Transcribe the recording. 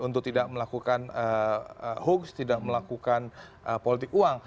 untuk tidak melakukan hoax tidak melakukan politik uang